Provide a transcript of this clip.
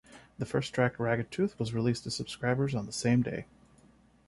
The first track, "Ragged Tooth," was released to subscribers on the same day.